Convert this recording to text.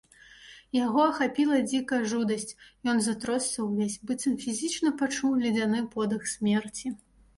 Яго ахапіла дзікая жудасць, ён затросся ўвесь, быццам фізічна пачуў ледзяны подых смерці.